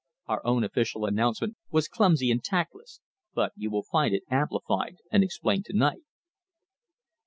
Our own official announcement was clumsy and tactless, but you will find it amplified and explained to night."